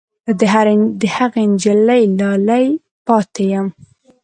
زه د هغې نجلۍ لالی پاتې یم